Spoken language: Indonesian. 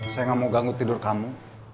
saya gak mau ganggu tidur kamu